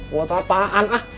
buat apaan ah